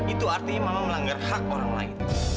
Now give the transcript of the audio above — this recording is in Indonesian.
itu artinya memang melanggar hak orang lain